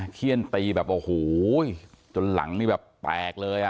เขี้ยนตีแบบโอ้โหจนหลังแปลกเลย